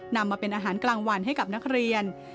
นำมาเป็นอาหารกลางวันให้กับนักเรียน